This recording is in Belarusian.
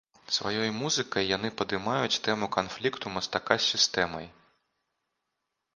Сваёй музыкай яны падымаюць тэму канфлікту мастака з сістэмай.